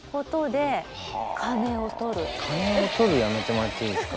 「金を取る」やめてもらっていいですか？